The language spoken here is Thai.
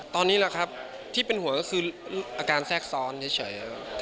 ตอนนี้แหละครับที่เป็นห่วงก็คืออาการแทรกซ้อนเฉย